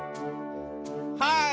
はい！